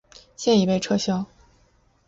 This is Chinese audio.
现已被撤销。